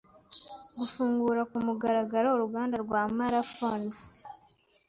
gufungura ku mugaragaro uruganda rwa Mara Phones